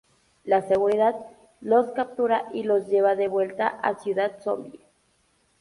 La seguridad los captura y los lleva de vuelta a Ciudad Zombie.